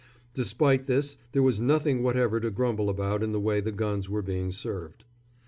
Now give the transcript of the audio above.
Despite this there was nothing whatever to grumble about in the way the guns were being served.